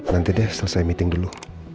nanti deh selesai meeting dulu